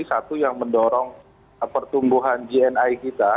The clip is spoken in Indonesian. satu yang mendorong pertumbuhan gni kita